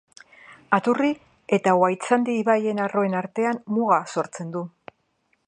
Aturri eta Uhaitzandi ibaien arroen artean muga sortzen du.